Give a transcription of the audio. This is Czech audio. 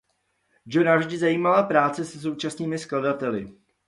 Johna vždy zajímala práce se současnými skladateli.